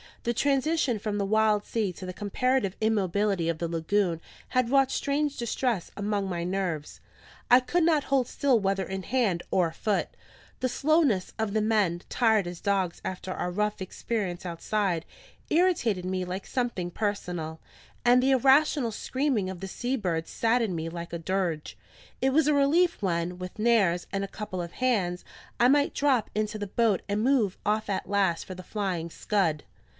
The transition from the wild sea to the comparative immobility of the lagoon had wrought strange distress among my nerves: I could not hold still whether in hand or foot; the slowness of the men, tired as dogs after our rough experience outside, irritated me like something personal; and the irrational screaming of the sea birds saddened me like a dirge. It was a relief when, with Nares, and a couple of hands, I might drop into the boat and move off at last for the Flying Scud.